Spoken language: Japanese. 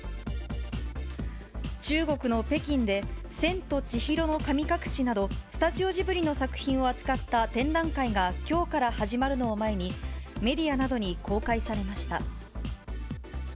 中国の北京で、千と千尋の神隠しなど、スタジオジブリの作品を扱った展覧会がきょうから始まるのを前に、メディアなどに公開されました。